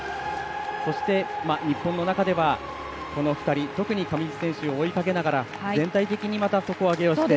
そして、日本の中ではこの２人特に上地選手を追いかけながら全体的にまた底上げをして。